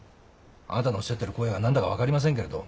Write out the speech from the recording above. あなたのおっしゃってる荒野が何だか分かりませんけれど。